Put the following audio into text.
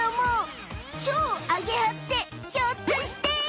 超アゲ派ってひょっとして。